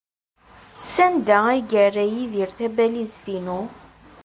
Sanda ay yerra Yidir tabalizt-inu?